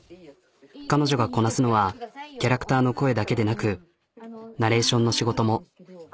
彼女がこなすのはキャラクターの声だけでなくナレーションの仕事も。